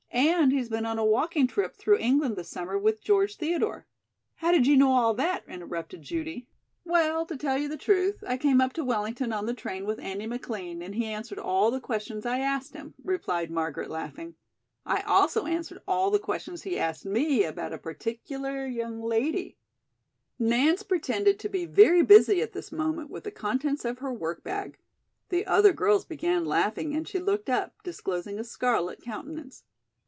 And he's been on a walking trip through England this summer with George Theodore " "How did you know all that?" interrupted Judy. "Well, to tell you the truth, I came up to Wellington on the train with Andy McLean and he answered all the questions I asked him," replied Margaret, laughing. "I also answered all the questions he asked me about a particular young lady " Nance pretended to be very busy at this moment with the contents of her work bag. The other girls began laughing and she looked up, disclosing a scarlet countenance.